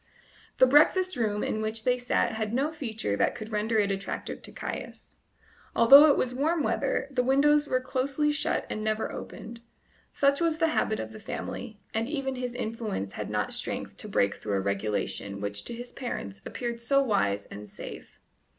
The breakfast room in which they sat had no feature that could render it attractive to Caius. Although it was warm weather, the windows were closely shut and never opened; such was the habit of the family, and even his influence had not strength to break through a regulation which to his parents appeared so wise and safe.